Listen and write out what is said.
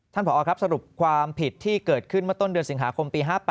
ผอครับสรุปความผิดที่เกิดขึ้นเมื่อต้นเดือนสิงหาคมปี๕๘